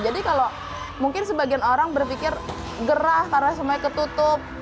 jadi kalau mungkin sebagian orang berpikir gerah karena semuanya ketutup